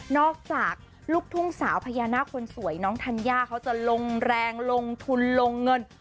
อกจากลูกทุ่งสาวพญานาคคนสวยน้องธัญญาเขาจะลงแรงลงทุนลงเงิน